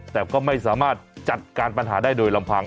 แต่ก็ไม่สามารถจัดการปัญหาได้โดยลำพัง